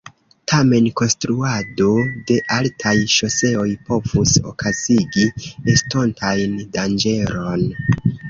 Tamen konstruado de altaj ŝoseoj povus okazigi estontajn danĝeron.